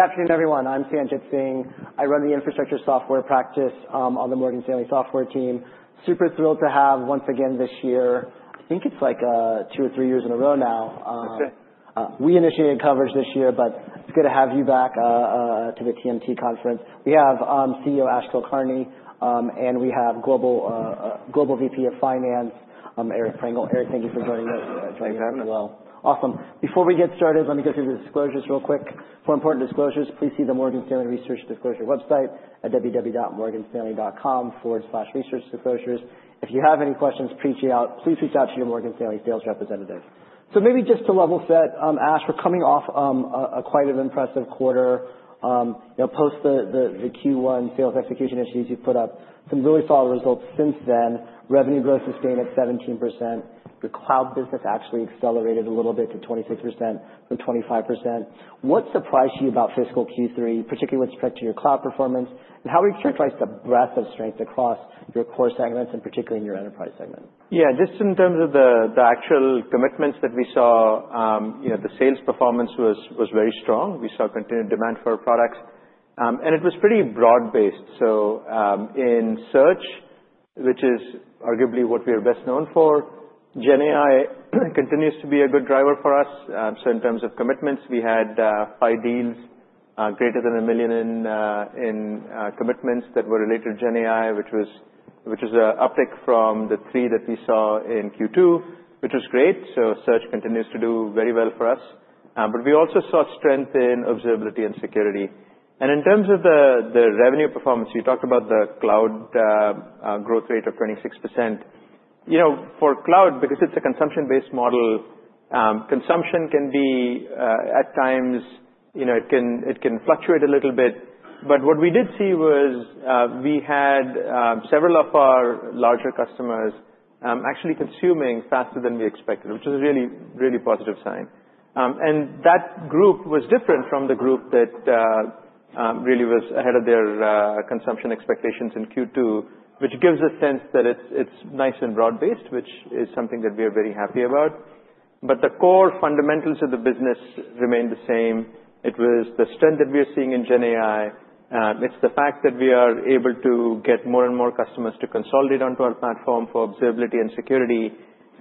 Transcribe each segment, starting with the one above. Good afternoon, everyone. I'm Sanjit Singh. I run the infrastructure software practice, on the Morgan Stanley software team. Super thrilled to have, once again this year—I think it's like, two or three years in a row now. That's good. We initiated coverage this year, but it's good to have you back to the TMT conference. We have CEO Ash Kulkarni, and we have Global VP of Finance, Eric Prengel. Eric, thank you for joining us as well. Thank. Awesome. Before we get started, let me go through the disclosures real quick. For important disclosures, please see the Morgan Stanley Research Disclosure website at www.morganstanley.com/researchdisclosures. If you have any questions, please reach out to your Morgan Stanley sales representative. So maybe just to level set, Ash, we're coming off a quite an impressive quarter. You know, post the Q1 sales execution issues you put up some really solid results since then. Revenue growth sustained at 17%. Your cloud business actually accelerated a little bit to 26% from 25%. What surprised you about fiscal Q3, particularly with respect to your cloud performance? And how would you characterize the breadth of strength across your core segments and particularly in your enterprise segment? Yeah. Just in terms of the actual commitments that we saw, you know, the sales performance was very strong. We saw continued demand for our products, and it was pretty broad-based. In search, which is arguably what we are best known for, GenAI continues to be a good driver for us. In terms of commitments, we had five deals greater than $1 million in commitments that were related to GenAI, which was an uptick from the three that we saw in Q2, which was great. Search continues to do very well for us. We also saw strength in observability and security. In terms of the revenue performance, you talked about the cloud growth rate of 26%. You know, for cloud, because it's a consumption-based model, consumption can be, at times, you know, it can fluctuate a little bit, but what we did see was, we had several of our larger customers actually consuming faster than we expected, which was a really, really positive sign, and that group was different from the group that really was ahead of their consumption expectations in Q2, which gives a sense that it's nice and broad-based, which is something that we are very happy about, but the core fundamentals of the business remained the same. It was the strength that we are seeing in GenAI. It's the fact that we are able to get more and more customers to consolidate onto our platform for observability and security.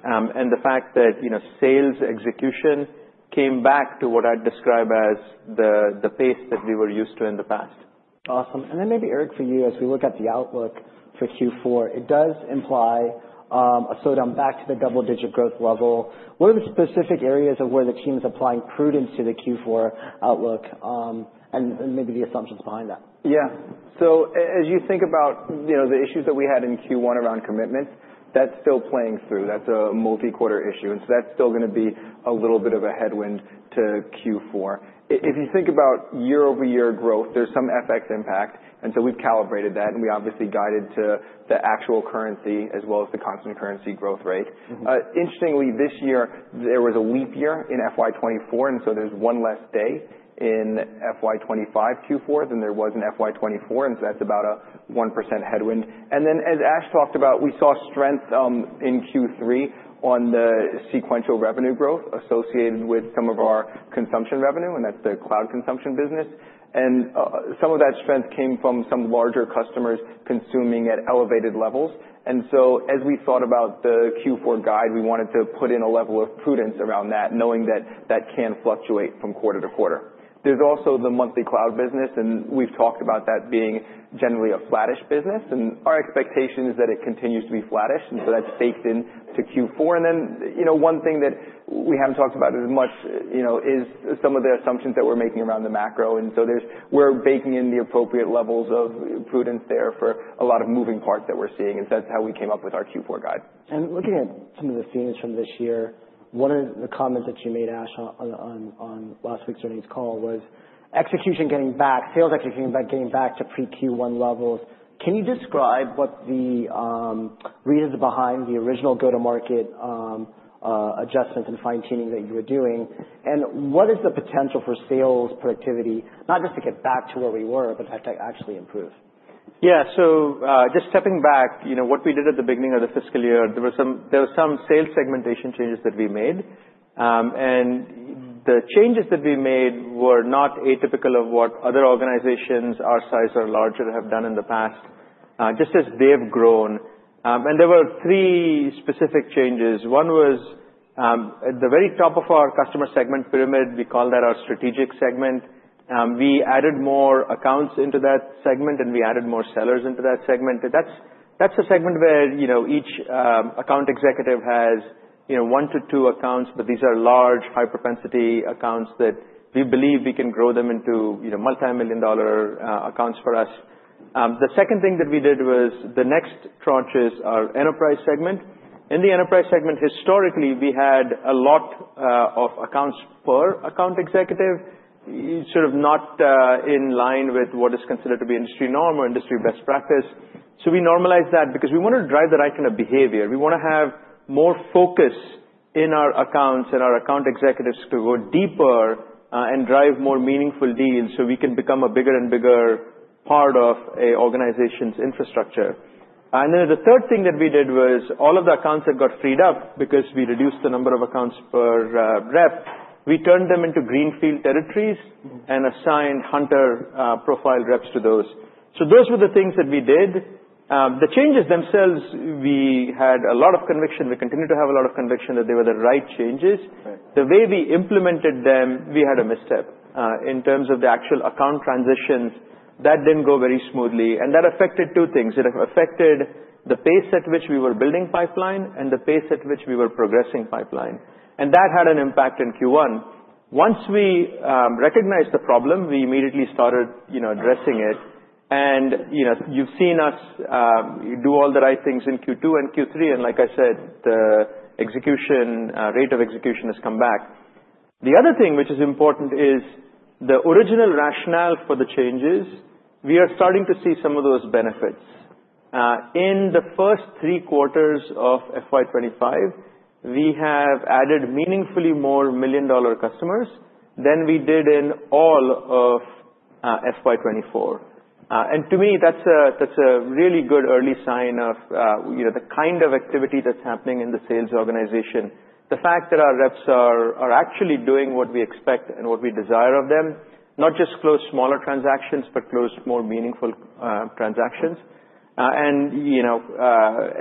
and the fact that, you know, sales execution came back to what I'd describe as the pace that we were used to in the past. Awesome. And then maybe, Eric, for you, as we look at the outlook for Q4, it does imply a slowdown back to the double-digit growth level. What are the specific areas of where the team is applying prudence to the Q4 outlook, and maybe the assumptions behind that? Yeah. So as you think about, you know, the issues that we had in Q1 around commitments, that's still playing through. That's a multi-quarter issue. And so that's still gonna be a little bit of a headwind to Q4. If you think about year-over-year growth, there's some FX impact. And so we've calibrated that, and we obviously guided to the actual currency as well as the constant currency growth rate. Interestingly, this year, there was a leap year in FY24, and so there's one less day in FY25 Q4 than there was in FY24. And so that's about a 1% headwind. And then, as Ash talked about, we saw strength in Q3 on the sequential revenue growth associated with some of our consumption revenue, and that's the cloud consumption business. And some of that strength came from some larger customers consuming at elevated levels. And so as we thought about the Q4 guide, we wanted to put in a level of prudence around that, knowing that that can fluctuate from quarter to quarter. There's also the monthly cloud business, and we've talked about that being generally a flattish business. And our expectation is that it continues to be flattish, and so that's baked into Q4. And then, you know, one thing that we haven't talked about as much, you know, is some of the assumptions that we're making around the macro. And so there, we're baking in the appropriate levels of prudence there for a lot of moving parts that we're seeing. And so that's how we came up with our Q4 guide. Looking at some of the themes from this year, one of the comments that you made, Ash, on last week's earnings call was execution getting back, sales execution getting back to pre-Q1 levels. Can you describe what the reasons behind the original go-to-market adjustments and fine-tuning that you were doing? What is the potential for sales productivity, not just to get back to where we were, but to actually improve? Yeah. So, just stepping back, you know, what we did at the beginning of the fiscal year, there were some sales segmentation changes that we made. The changes that we made were not atypical of what other organizations, our size or larger, have done in the past, just as they've grown. There were three specific changes. One was, at the very top of our customer segment pyramid, we call that our strategic segment. We added more accounts into that segment, and we added more sellers into that segment. And that's a segment where, you know, each account executive has, you know, one to two accounts, but these are large, high-propensity accounts that we believe we can grow them into, you know, multi-million-dollar accounts for us. The second thing that we did was the next tranche is our enterprise segment. In the enterprise segment, historically, we had a lot of accounts per account executive, sort of not in line with what is considered to be industry norm or industry best practice, so we normalized that because we wanted to drive the right kind of behavior. We want to have more focus in our accounts and our account executives to go deeper, and drive more meaningful deals so we can become a bigger and bigger part of an organization's infrastructure, and then the third thing that we did was all of the accounts that got freed up because we reduced the number of accounts per rep, we turned them into greenfield territories and assigned hunter profile reps to those, so those were the things that we did. The changes themselves, we had a lot of conviction. We continue to have a lot of conviction that they were the right changes. Right. The way we implemented them, we had a misstep in terms of the actual account transitions. That didn't go very smoothly, and that affected two things. It affected the pace at which we were building pipeline and the pace at which we were progressing pipeline. And that had an impact in Q1. Once we recognized the problem, we immediately started you know addressing it. And you know you've seen us do all the right things in Q2 and Q3. And like I said, the execution rate of execution has come back. The other thing which is important is the original rationale for the changes. We are starting to see some of those benefits in the first three quarters of FY25. We have added meaningfully more million-dollar customers than we did in all of FY24. To me, that's a really good early sign of, you know, the kind of activity that's happening in the sales organization, the fact that our reps are actually doing what we expect and what we desire of them, not just close smaller transactions, but close more meaningful transactions. You know,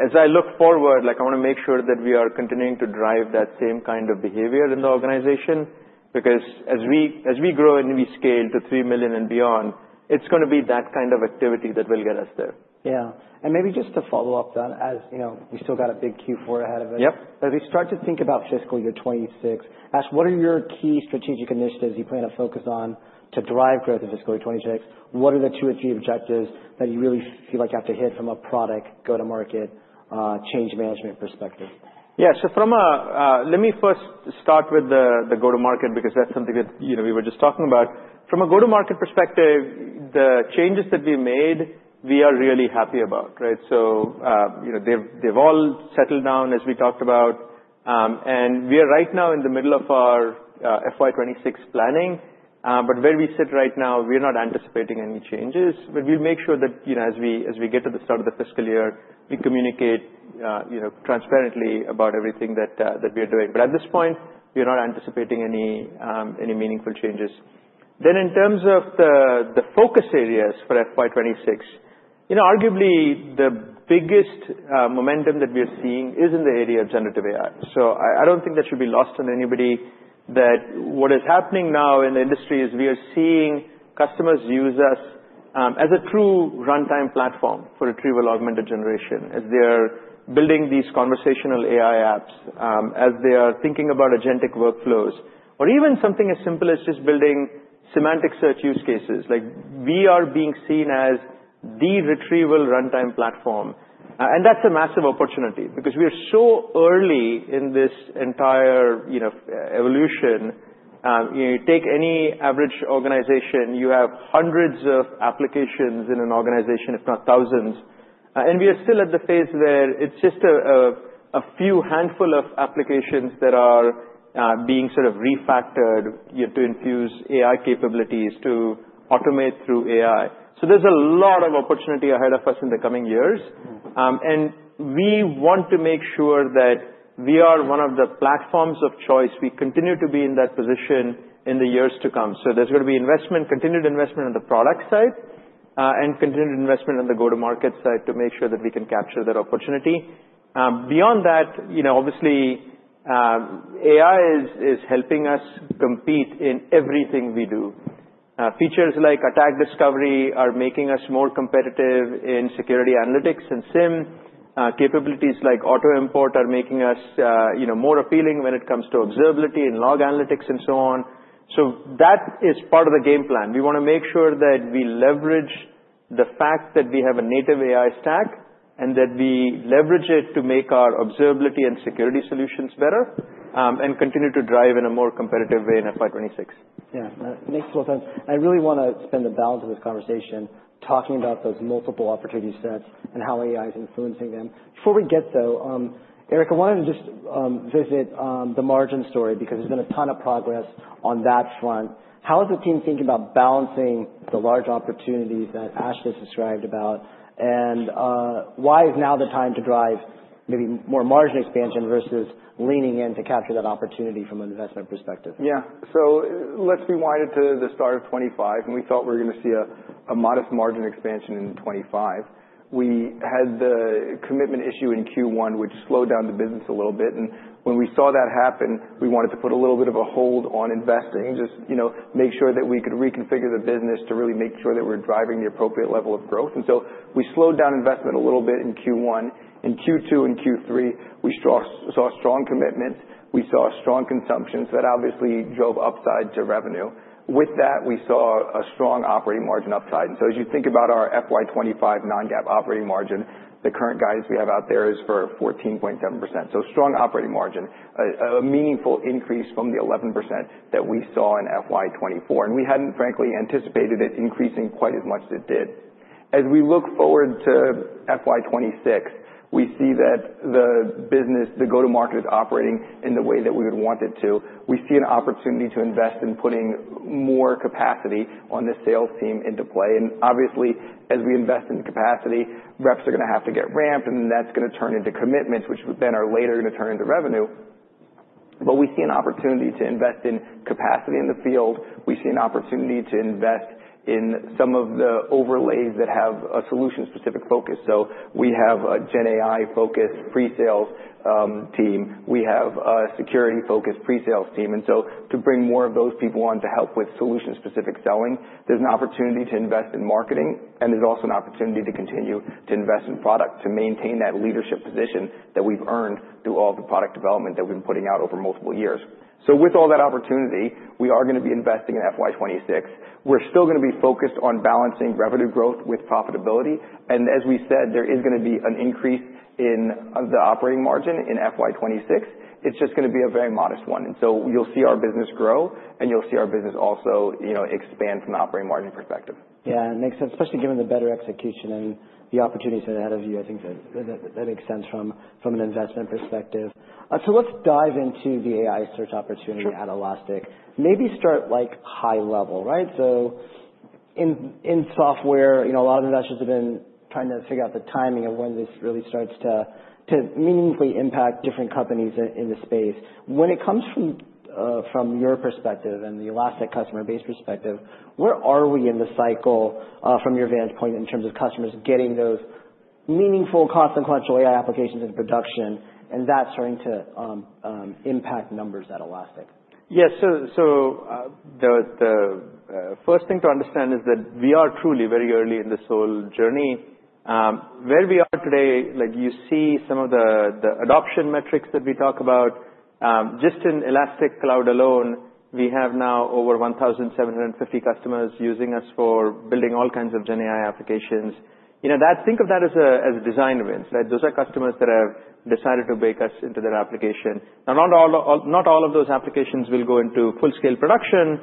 as I look forward, like, I want to make sure that we are continuing to drive that same kind of behavior in the organization because as we grow and we scale to three million and beyond, it's gonna be that kind of activity that will get us there. Yeah, and maybe just to follow up that, as, you know, we still got a big Q4 ahead of us. Yep. As we start to think about fiscal year 2026, Ash, what are your key strategic initiatives you plan to focus on to drive growth in fiscal year 2026? What are the two or three objectives that you really feel like you have to hit from a product go-to-market, change management perspective? Yeah, so from a, let me first start with the, the go-to-market because that's something that, you know, we were just talking about. From a go-to-market perspective, the changes that we made, we are really happy about, right, so you know, they've, they've all settled down, as we talked about, and we are right now in the middle of our, FY26 planning, but where we sit right now, we are not anticipating any changes, but we'll make sure that, you know, as we, as we get to the start of the fiscal year, we communicate, you know, transparently about everything that, that we are doing. But at this point, we are not anticipating any, any meaningful changes, then in terms of the, the focus areas for FY26, you know, arguably the biggest, momentum that we are seeing is in the area of generative AI. So I don't think that should be lost on anybody that what is happening now in the industry is we are seeing customers use us as a true runtime platform for retrieval augmented generation as they're building these conversational AI apps, as they are thinking about agentic workflows, or even something as simple as just building semantic search use cases. Like, we are being seen as the retrieval runtime platform. And that's a massive opportunity because we are so early in this entire, you know, evolution. You know, you take any average organization, you have hundreds of applications in an organization, if not thousands. And we are still at the phase where it's just a few handful of applications that are being sort of refactored, you know, to infuse AI capabilities, to automate through AI. There's a lot of opportunity ahead of us in the coming years. And we want to make sure that we are one of the platforms of choice. We continue to be in that position in the years to come. So there's gonna be investment, continued investment on the product side, and continued investment on the go-to-market side to make sure that we can capture that opportunity. Beyond that, you know, obviously, AI is helping us compete in everything we do. Features like Attack Discovery are making us more competitive in security analytics and SIEM. Capabilities like Auto Import are making us, you know, more appealing when it comes to observability and log analytics and so on. So that is part of the game plan. We want to make sure that we leverage the fact that we have a native AI stack and that we leverage it to make our observability and security solutions better, and continue to drive in a more competitive way in FY26. Yeah. That makes total sense and I really want to spend the balance of this conversation talking about those multiple opportunity sets and how AI is influencing them. Before we get, though, Eric, I wanted to just, visit, the margin story because there's been a ton of progress on that front. How is the team thinking about balancing the large opportunities that Ash just described about and why is now the time to drive maybe more margin expansion versus leaning in to capture that opportunity from an investment perspective? Yeah. So let's rewind to the start of 2025, and we thought we were gonna see a modest margin expansion in 2025. We had the commitment issue in Q1, which slowed down the business a little bit. And when we saw that happen, we wanted to put a little bit of a hold on investing, just, you know, make sure that we could reconfigure the business to really make sure that we're driving the appropriate level of growth. And so we slowed down investment a little bit in Q1. In Q2 and Q3, we saw strong commitments. We saw strong consumptions. That obviously drove upside to revenue. With that, we saw a strong operating margin upside. And so as you think about our FY 2025 non-GAAP operating margin, the current guidance we have out there is for 14.7%. Strong operating margin, a meaningful increase from the 11% that we saw in FY24. We hadn't, frankly, anticipated it increasing quite as much as it did. As we look forward to FY26, we see that the business, the go-to-market, is operating in the way that we would want it to. We see an opportunity to invest in putting more capacity on the sales team into play. Obviously, as we invest in capacity, reps are gonna have to get ramped, and then that's gonna turn into commitments, which then are later gonna turn into revenue. We see an opportunity to invest in capacity in the field. We see an opportunity to invest in some of the overlays that have a solution-specific focus. We have a GenAI-focused pre-sales team. We have a security-focused pre-sales team. And so, to bring more of those people on to help with solution-specific selling, there's an opportunity to invest in marketing, and there's also an opportunity to continue to invest in product to maintain that leadership position that we've earned through all the product development that we've been putting out over multiple years. So, with all that opportunity, we are gonna be investing in FY26. We're still gonna be focused on balancing revenue growth with profitability. And as we said, there is gonna be an increase in the operating margin in FY26. It's just gonna be a very modest one. And so, you'll see our business grow, and you'll see our business also, you know, expand from an operating margin perspective. Yeah. It makes sense, especially given the better execution and the opportunities ahead of you. I think that makes sense from an investment perspective. So let's dive into the AI search opportunity at Elastic. Maybe start, like, high level, right? So in software, you know, a lot of investors have been trying to figure out the timing of when this really starts to meaningfully impact different companies in the space. When it comes from your perspective and the Elastic customer base perspective, where are we in the cycle, from your vantage point in terms of customers getting those meaningful, consequential AI applications into production and that starting to impact numbers at Elastic? Yeah. So, the first thing to understand is that we are truly very early in the AI journey. Where we are today, like, you see some of the adoption metrics that we talk about. Just in Elastic Cloud alone, we have now over 1,750 customers using us for building all kinds of GenAI applications. You know, think of that as a design win, right? Those are customers that have decided to bake us into their application. Now, not all of those applications will go into full-scale production,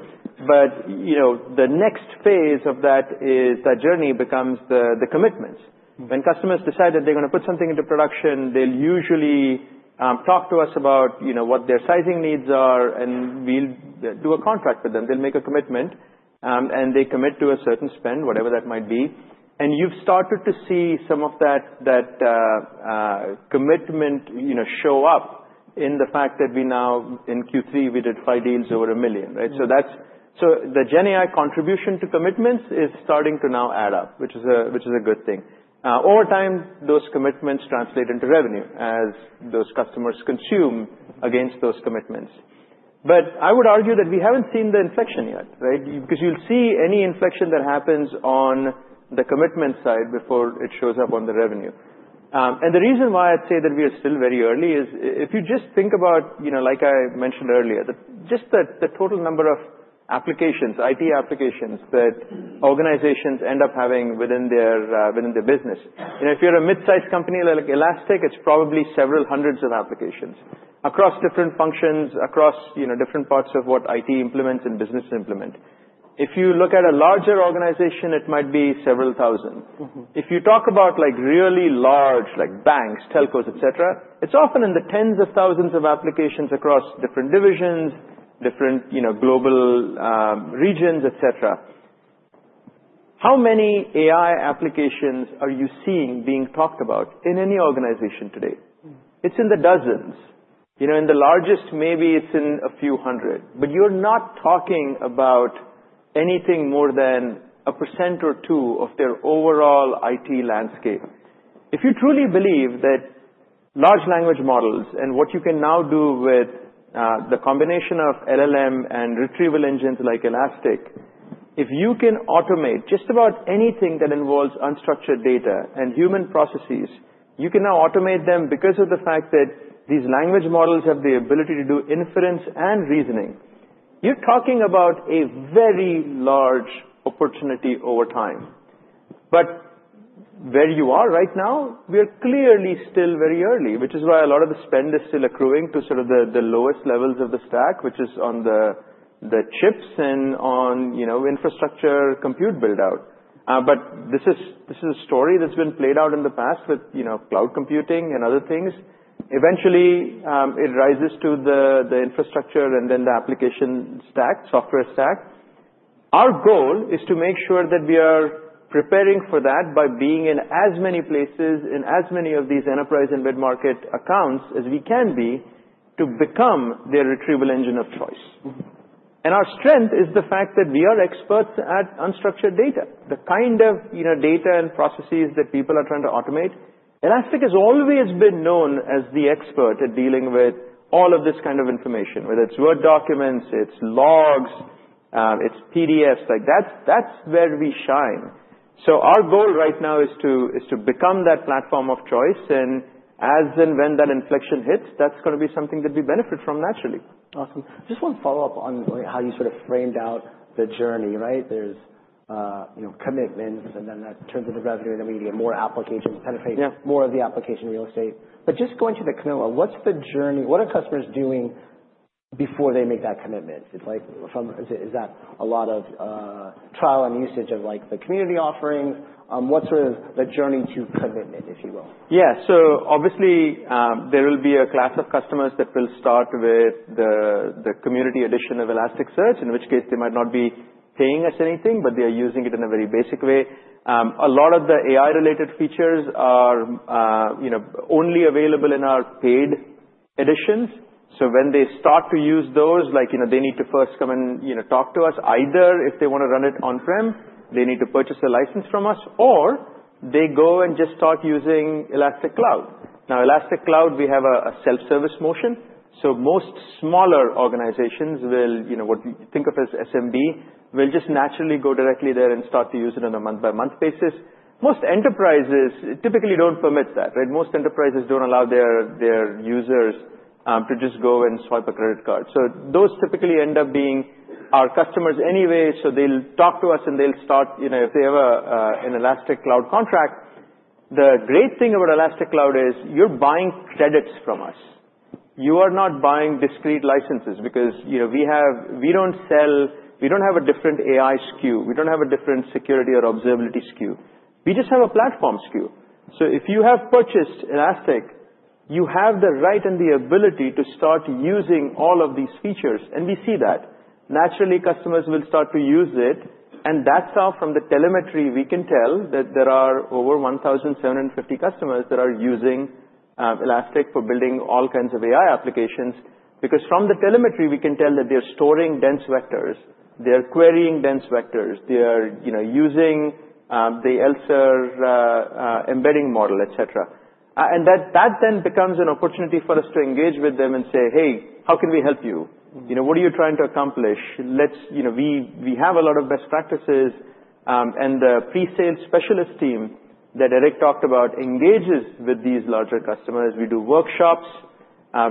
but, you know, the next phase of that is that journey becomes the commitments. When customers decide that they're gonna put something into production, they'll usually talk to us about, you know, what their sizing needs are, and we'll do a contract with them. They'll make a commitment, and they commit to a certain spend, whatever that might be. And you've started to see some of that commitment, you know, show up in the fact that we now in Q3 we did five deals over $1 million, right? So that's the GenAI contribution to commitments is starting to now add up, which is a good thing. Over time, those commitments translate into revenue as those customers consume against those commitments. But I would argue that we haven't seen the inflection yet, right? Because you'll see any inflection that happens on the commitment side before it shows up on the revenue. And the reason why I'd say that we are still very early is if you just think about, you know, like I mentioned earlier, that just the total number of applications, IT applications that organizations end up having within their business. You know, if you're a mid-sized company like Elastic, it's probably several hundreds of applications across different functions, across, you know, different parts of what IT implements and business implement. If you look at a larger organization, it might be several thousand. If you talk about, like, really large, like banks, telcos, etc., it's often in the tens of thousands of applications across different divisions, different, you know, global, regions, etc. How many AI applications are you seeing being talked about in any organization today? It's in the dozens. You know, in the largest, maybe it's in a few hundred, but you're not talking about anything more than 1% or 2% of their overall IT landscape. If you truly believe that large language models and what you can now do with, the combination of LLM and retrieval engines like Elastic, if you can automate just about anything that involves unstructured data and human processes, you can now automate them because of the fact that these language models have the ability to do inference and reasoning. You're talking about a very large opportunity over time. But where you are right now, we are clearly still very early, which is why a lot of the spend is still accruing to sort of the lowest levels of the stack, which is on the chips and on, you know, infrastructure compute buildout. This is a story that's been played out in the past with, you know, cloud computing and other things. Eventually, it rises to the infrastructure and then the application stack, software stack. Our goal is to make sure that we are preparing for that by being in as many places, in as many of these enterprise and mid-market accounts as we can be to become their retrieval engine of choice. And our strength is the fact that we are experts at unstructured data, the kind of, you know, data and processes that people are trying to automate. Elastic has always been known as the expert at dealing with all of this kind of information, whether it's Word documents, it's logs, it's PDFs. Like, that's, that's where we shine. So our goal right now is to, is to become that platform of choice. And as and when that inflection hits, that's gonna be something that we benefit from naturally. Awesome. Just wanna follow up on, like, how you sort of framed out the journey, right? There's, you know, commitments, and then that turns into revenue, and then we need to get more applications, penetrate. Yeah. More of the application real estate. But just going to the Kibana, what's the journey? What are customers doing before they make that commitment? It's like, is it a lot of trial and usage of, like, the community offerings? What's sort of the journey to commitment, if you will? Yeah. So obviously, there will be a class of customers that will start with the community edition of Elasticsearch, in which case they might not be paying us anything, but they are using it in a very basic way. A lot of the AI-related features are, you know, only available in our paid editions. So when they start to use those, like, you know, they need to first come and, you know, talk to us. Either if they wanna run it on-prem, they need to purchase a license from us, or they go and just start using Elastic Cloud. Now, Elastic Cloud, we have a self-service motion. So most smaller organizations will, you know, what you think of as SMB will just naturally go directly there and start to use it on a month-by-month basis. Most enterprises typically don't permit that, right? Most enterprises don't allow their users to just go and swipe a credit card, so those typically end up being our customers anyway, so they'll talk to us and they'll start, you know, if they have an Elastic Cloud contract. The great thing about Elastic Cloud is you're buying credits from us. You are not buying discrete licenses because, you know, we don't sell, we don't have a different AI SKU. We don't have a different security or observability SKU. We just have a platform SKU, so if you have purchased Elastic, you have the right and the ability to start using all of these features, and we see that. Naturally, customers will start to use it, and that's how, from the telemetry, we can tell that there are over 1,750 customers that are using Elastic for building all kinds of AI applications. Because from the telemetry, we can tell that they're storing dense vectors. They're querying dense vectors. They are, you know, using, the ELSER, embedding model, etc. and that, that then becomes an opportunity for us to engage with them and say, "Hey, how can we help you? You know, "What are you trying to accomplish? Let's, you know, we have a lot of best practices," and the presales specialist team that Eric talked about engages with these larger customers. We do workshops.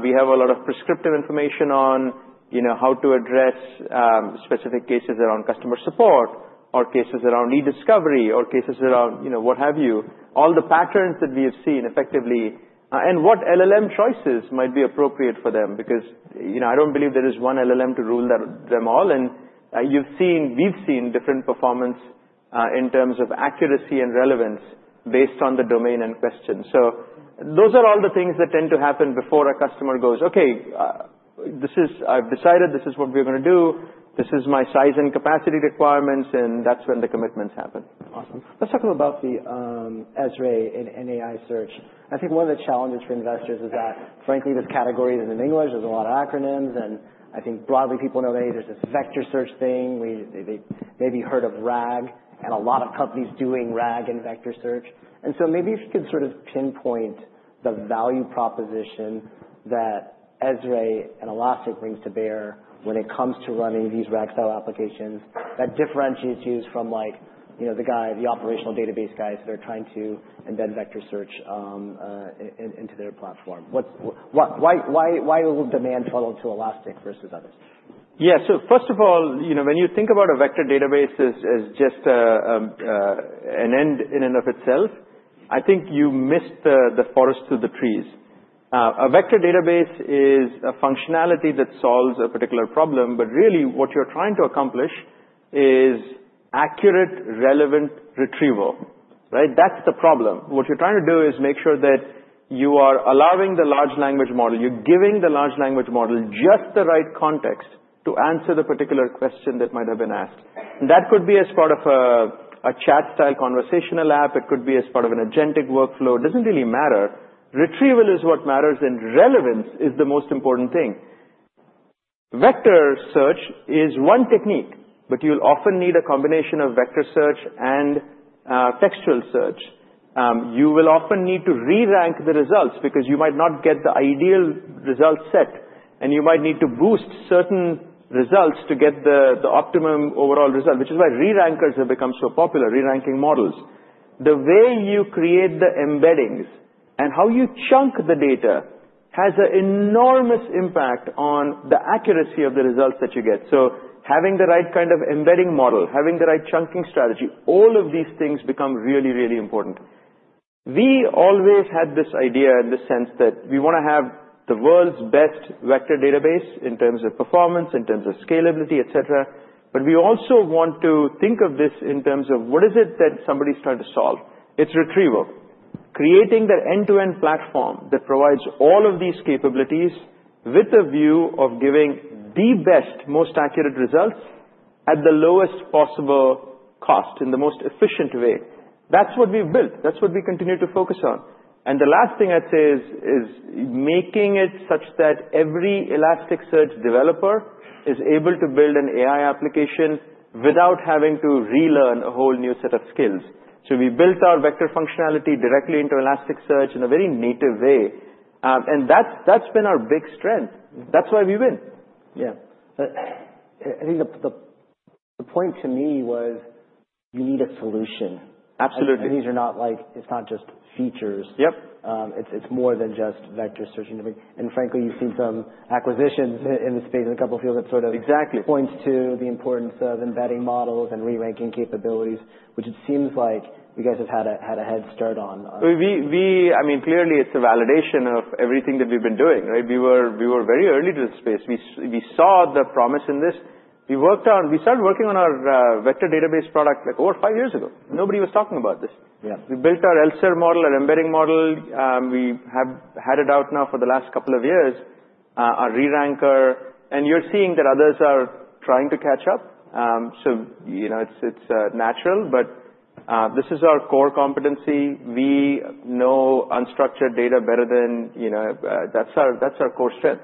We have a lot of prescriptive information on, you know, how to address specific cases around customer support or cases around e-discovery or cases around, you know, what have you. All the patterns that we have seen effectively, and what LLM choices might be appropriate for them. Because, you know, I don't believe there is one LLM to rule them all. And you've seen, we've seen different performance in terms of accuracy and relevance based on the domain and question. So those are all the things that tend to happen before a customer goes, "Okay, I've decided this is what we're gonna do. This is my size and capacity requirements," and that's when the commitments happen. Awesome. Let's talk about the ESRE and AI Search. I think one of the challenges for investors is that, frankly, this category is in English. There's a lot of acronyms. And I think broadly people know that there's this vector search thing. They maybe heard of RAG and a lot of companies doing RAG and vector search. And so maybe if you could sort of pinpoint the value proposition that ESRE and Elastic brings to bear when it comes to running these RAG-style applications that differentiates you from, like, you know, the guy, the operational database guys that are trying to embed vector search into their platform. Why will demand funnel to Elastic versus others? Yeah. So first of all, you know, when you think about a vector database as just an end in and of itself, I think you missed the forest through the trees. A vector database is a functionality that solves a particular problem. But really, what you're trying to accomplish is accurate, relevant retrieval, right? That's the problem. What you're trying to do is make sure that you are allowing the large language model, you're giving the large language model just the right context to answer the particular question that might have been asked. And that could be as part of a chat-style conversational app. It could be as part of an agentic workflow. It doesn't really matter. Retrieval is what matters, and relevance is the most important thing. Vector search is one technique, but you'll often need a combination of vector search and textual search. You will often need to re-rank the results because you might not get the ideal result set, and you might need to boost certain results to get the, the optimum overall result, which is why re-rankers have become so popular, re-ranking models. The way you create the embeddings and how you chunk the data has an enormous impact on the accuracy of the results that you get. So having the right kind of embedding model, having the right chunking strategy, all of these things become really, really important. We always had this idea in the sense that we wanna have the world's best vector database in terms of performance, in terms of scalability, etc. But we also want to think of this in terms of what is it that somebody's trying to solve? It's retrieval. Creating that end-to-end platform that provides all of these capabilities with a view of giving the best, most accurate results at the lowest possible cost in the most efficient way. That's what we've built. That's what we continue to focus on, and the last thing I'd say is making it such that every Elasticsearch developer is able to build an AI application without having to relearn a whole new set of skills. We built our vector functionality directly into Elasticsearch in a very native way, and that's been our big strength. That's why we win. Yeah. I think the point to me was you need a solution. Absolutely. These are not like, it's not just features. Yep. It's more than just vector search and inference. Frankly, you've seen some acquisitions in the space, in a couple of fields that sort of. Exactly. Points to the importance of embedding models and re-ranking capabilities, which it seems like you guys have had a head start on. I mean, clearly it's a validation of everything that we've been doing, right? We were very early to this space. We saw the promise in this. We started working on our vector database product like over five years ago. Nobody was talking about this. Yeah. We built our ELSER model, our embedding model. We have had it out now for the last couple of years, our re-ranker, and you're seeing that others are trying to catch up, so you know, it's natural, but this is our core competency. We know unstructured data better than you know. That's our core strength,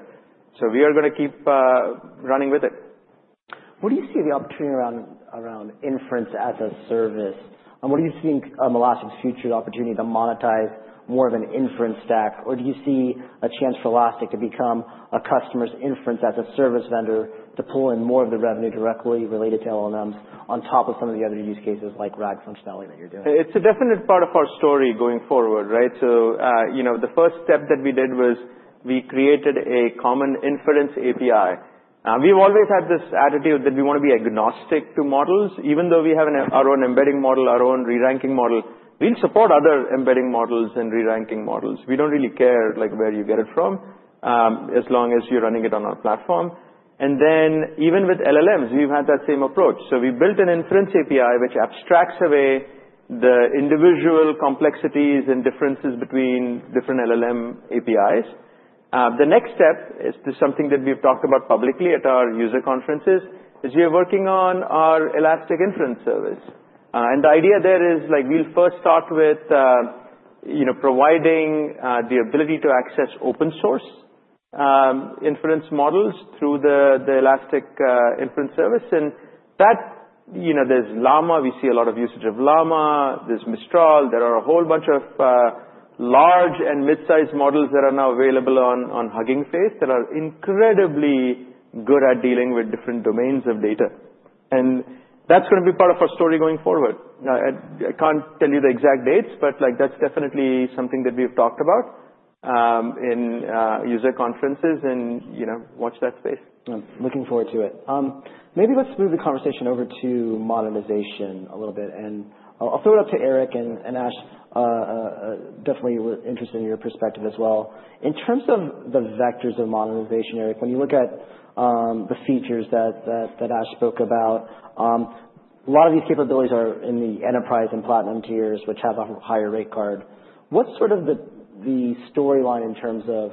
so we are gonna keep running with it. Where do you see the opportunity around inference as a service? What do you think, Elastic's future opportunity to monetize more of an inference stack? Or do you see a chance for Elastic to become a customer's inference as a service vendor to pull in more of the revenue directly related to LLMs on top of some of the other use cases like RAG functionality that you're doing? It's a definite part of our story going forward, right? So, you know, the first step that we did was we created a common inference API. We've always had this attitude that we wanna be agnostic to models. Even though we have an, our own embedding model, our own re-ranking model, we'll support other embedding models and re-ranking models. We don't really care, like, where you get it from, as long as you're running it on our platform. And then even with LLMs, we've had that same approach. So we built an inference API which abstracts away the individual complexities and differences between different LLM APIs. The next step is, this is something that we've talked about publicly at our user conferences, is we are working on our Elastic Inference Service. And the idea there is, like, we'll first start with, you know, providing the ability to access open-source inference models through the Elastic Inference Service. And that, you know, there's Llama. We see a lot of usage of Llama. There's Mistral. There are a whole bunch of large and mid-sized models that are now available on Hugging Face that are incredibly good at dealing with different domains of data. And that's gonna be part of our story going forward. I can't tell you the exact dates, but, like, that's definitely something that we've talked about in user conferences and, you know, watch that space. I'm looking forward to it. Maybe let's move the conversation over to modernization a little bit, and I'll throw it up to Eric and Ash. Definitely we're interested in your perspective as well. In terms of the vectors of modernization, Eric, when you look at the features that Ash spoke about, a lot of these capabilities are in the enterprise and platinum tiers, which have a higher rate card. What's sort of the storyline in terms of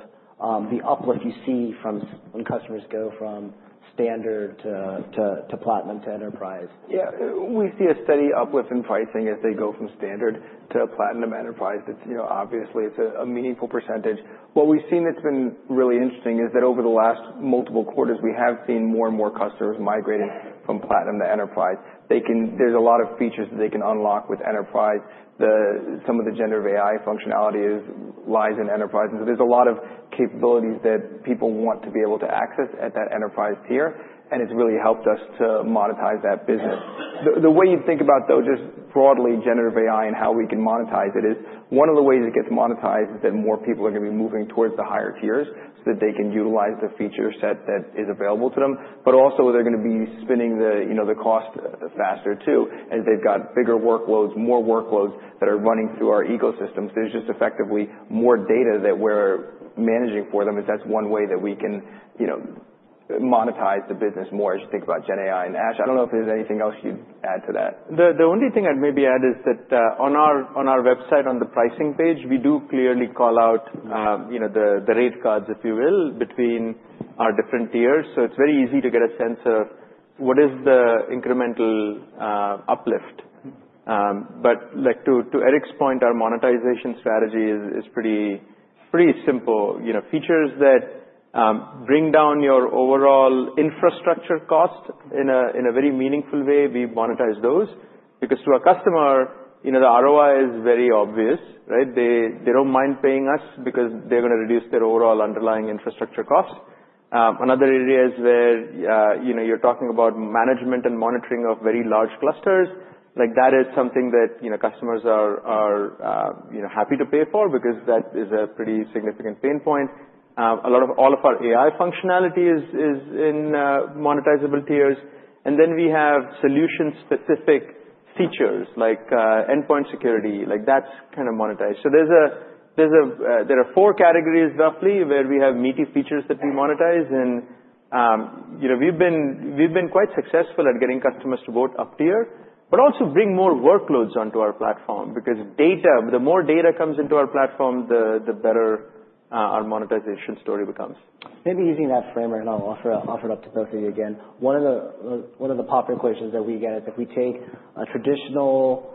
the uplift you see from when customers go from standard to platinum to enterprise? Yeah. We see a steady uplift in pricing as they go from Standard to Platinum Enterprise. It's, you know, obviously it's a meaningful percentage. What we've seen that's been really interesting is that over the last multiple quarters, we have seen more and more customers migrating from Platinum to Enterprise. They can. There's a lot of features that they can unlock with Enterprise. Some of the GenAI functionality that lies in Enterprise. And so there's a lot of capabilities that people want to be able to access at that Enterprise tier. And it's really helped us to monetize that business. The way you think about, though, just broadly generative AI and how we can monetize it is one of the ways it gets monetized is that more people are gonna be moving towards the higher tiers so that they can utilize the feature set that is available to them. But also, they're gonna be spinning, you know, the cost faster too as they've got bigger workloads, more workloads that are running through our ecosystem. So there's just effectively more data that we're managing for them. And that's one way that we can, you know, monetize the business more as you think about Gen AI. And Ash, I don't know if there's anything else you'd add to that. The only thing I'd maybe add is that, on our website, on the pricing page, we do clearly call out, you know, the rate cards, if you will, between our different tiers. So it's very easy to get a sense of what is the incremental uplift. But like to Eric's point, our monetization strategy is pretty simple. You know, features that bring down your overall infrastructure cost in a very meaningful way, we monetize those. Because to a customer, you know, the ROI is very obvious, right? They don't mind paying us because they're gonna reduce their overall underlying infrastructure cost. Another area is where, you know, you're talking about management and monitoring of very large clusters. Like, that is something that, you know, customers are, you know, happy to pay for because that is a pretty significant pain point. A lot of all of our AI functionality is in monetizable tiers. And then we have solution-specific features like endpoint security. Like, that's kind of monetized. So there are four categories roughly where we have meaty features that we monetize. And, you know, we've been quite successful at getting customers to vote up tier, but also bring more workloads onto our platform. Because data, the more data comes into our platform, the better our monetization story becomes. Maybe using that frame right now, I'll offer it up to both of you again. One of the popular questions that we get is if we take a traditional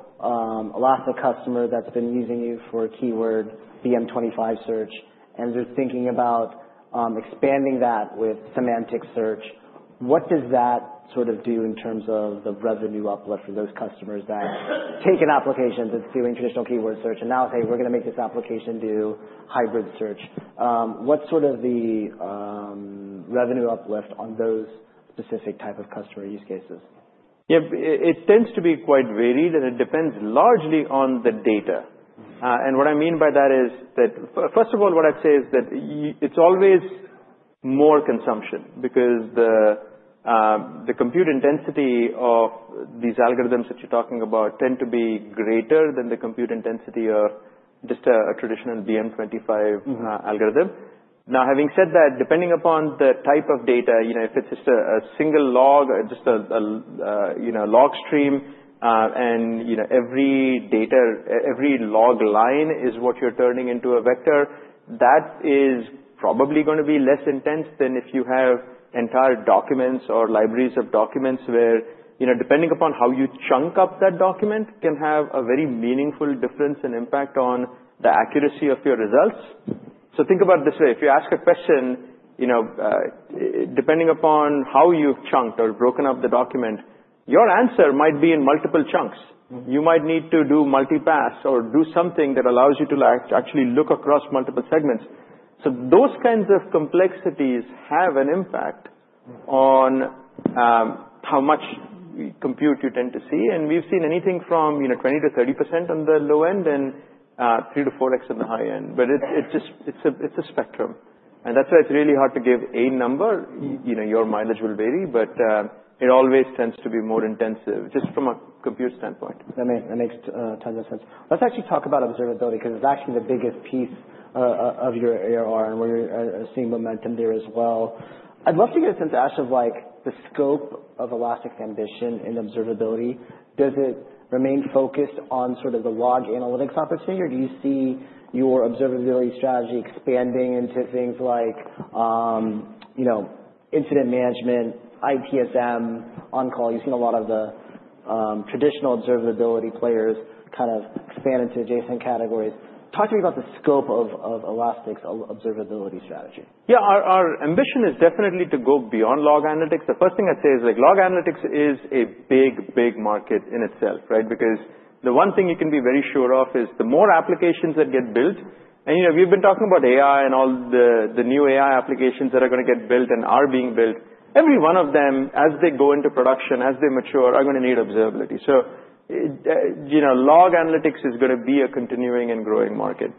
Elastic customer that's been using you for keyword BM25 search and they're thinking about expanding that with semantic search, what does that sort of do in terms of the revenue uplift for those customers that take an application that's doing traditional keyword search and now say, "We're gonna make this application do hybrid search"? What's sort of the revenue uplift on those specific type of customer use cases? Yeah. It tends to be quite varied and it depends largely on the data. And what I mean by that is that, first of all, what I'd say is that you, it's always more consumption because the compute intensity of these algorithms that you're talking about tend to be greater than the compute intensity of just a traditional BM25 algorithm. Now, having said that, depending upon the type of data, you know, if it's just a single log, just a log stream, and you know, every log line is what you're turning into a vector, that is probably gonna be less intense than if you have entire documents or libraries of documents where, you know, depending upon how you chunk up that document can have a very meaningful difference and impact on the accuracy of your results. So think about it this way. If you ask a question, you know, depending upon how you've chunked or broken up the document, your answer might be in multiple chunks. You might need to do multi-pass or do something that allows you to actually look across multiple segments. So those kinds of complexities have an impact on, how much compute you tend to see. And we've seen anything from, you know, 20% to 30% on the low end and, 3 to 4X on the high end. But it, it just, it's a, it's a spectrum. And that's why it's really hard to give a number. You know, your mileage will vary, but, it always tends to be more intensive just from a compute standpoint. That makes tons of sense. Let's actually talk about observability 'cause it's actually the biggest piece of your ARR and where you're seeing momentum there as well. I'd love to get a sense, Ash, of like the scope of Elastic's ambition in observability. Does it remain focused on sort of the log analytics opportunity or do you see your observability strategy expanding into things like, you know, incident management, ITSM on call? You've seen a lot of the traditional observability players kind of expand into adjacent categories. Talk to me about the scope of Elastic's observability strategy. Yeah. Our ambition is definitely to go beyond log analytics. The first thing I'd say is, like, log analytics is a big, big market in itself, right? Because the one thing you can be very sure of is the more applications that get built. And, you know, we've been talking about AI and all the new AI applications that are gonna get built and are being built. Every one of them, as they go into production, as they mature, are gonna need observability. So, you know, log analytics is gonna be a continuing and growing market.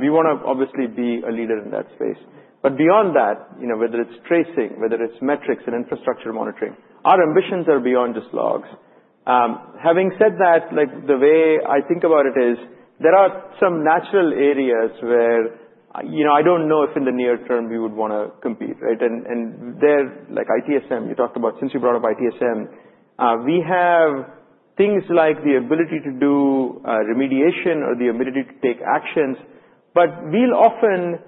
We wanna obviously be a leader in that space. But beyond that, you know, whether it's tracing, whether it's metrics and infrastructure monitoring, our ambitions are beyond just logs. Having said that, like, the way I think about it is there are some natural areas where, you know, I don't know if in the near term we would wanna compete, right? And there, like ITSM, you talked about since you brought up ITSM, we have things like the ability to do remediation or the ability to take actions. But we'll often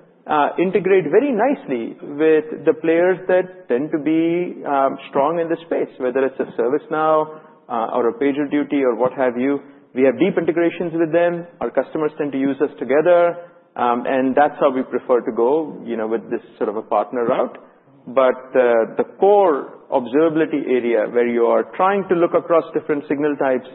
integrate very nicely with the players that tend to be strong in this space, whether it's a ServiceNow, or a PagerDuty or what have you. We have deep integrations with them. Our customers tend to use us together. And that's how we prefer to go, you know, with this sort of a partner route. But the core observability area where you are trying to look across different signal types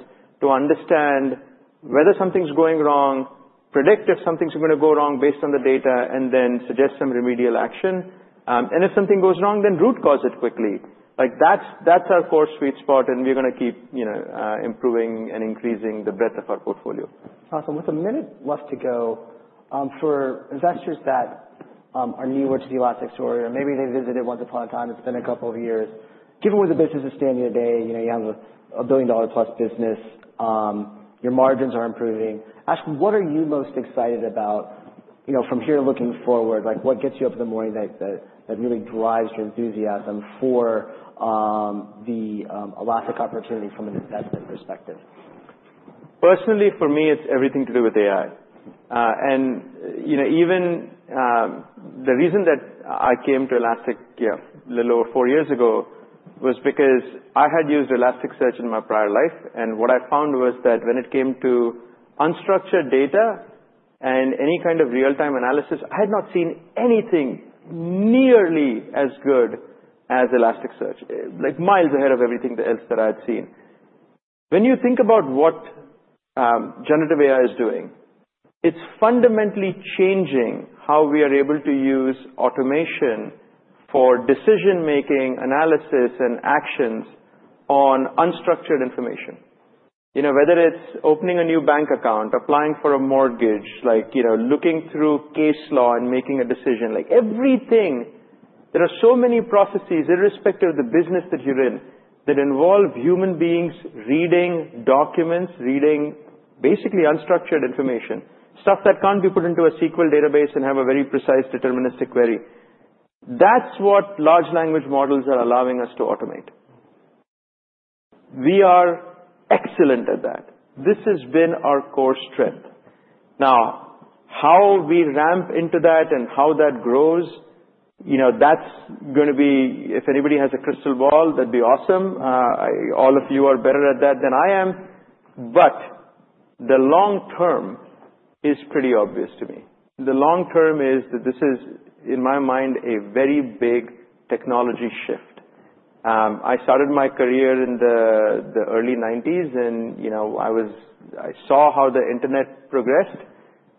to understand whether something's going wrong, predict if something's gonna go wrong based on the data, and then suggest some remedial action. And if something goes wrong, then root cause it quickly. Like, that's our core sweet spot and we're gonna keep, you know, improving and increasing the breadth of our portfolio. Awesome. With a minute left to go, for investors that are newer to the Elastic story, or maybe they visited once upon a time, it's been a couple of years, given where the business is standing today, you know, you have a $1 billion-plus business, your margins are improving. Ash, what are you most excited about, you know, from here looking forward? Like, what gets you up in the morning that really drives your enthusiasm for the Elastic opportunity from an investment perspective? Personally, for me, it's everything to do with AI, and you know, even the reason that I came to Elastic, yeah, a little over four years ago was because I had used Elasticsearch in my prior life, and what I found was that when it came to unstructured data and any kind of real-time analysis, I had not seen anything nearly as good as Elasticsearch, like miles ahead of everything else that I had seen. When you think about what generative AI is doing, it's fundamentally changing how we are able to use automation for decision-making, analysis, and actions on unstructured information. You know, whether it's opening a new bank account, applying for a mortgage, like you know, looking through case law and making a decision, like everything. There are so many processes, irrespective of the business that you're in, that involve human beings reading documents, reading basically unstructured information, stuff that can't be put into a SQL database and have a very precise deterministic query. That's what large language models are allowing us to automate. We are excellent at that. This has been our core strength. Now, how we ramp into that and how that grows, you know, that's gonna be, if anybody has a crystal ball, that'd be awesome. All of you are better at that than I am. But the long term is pretty obvious to me. The long term is that this is, in my mind, a very big technology shift. I started my career in the early 1990s and, you know, I was, I saw how the internet progressed.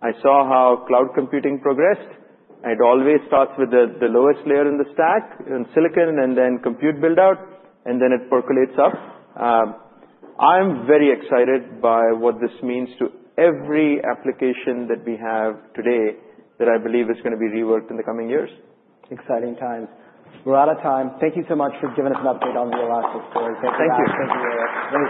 I saw how cloud computing progressed. It always starts with the lowest layer in the stack in silicon and then compute buildout, and then it percolates up. I'm very excited by what this means to every application that we have today that I believe is gonna be reworked in the coming years. Exciting times. We're out of time. Thank you so much for giving us an update on the Elastic story. Thank you. Thank you, Eric.